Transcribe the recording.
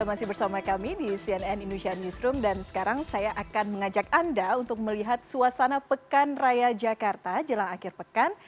anda masih bersama kami di cnn indonesia newsroom dan sekarang saya akan mengajak anda untuk melihat suasana pekan raya jakarta jelang akhir pekan